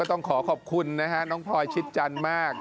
ต้องขอขอบคุณนะฮะน้องพลอยชิดจันทร์มาก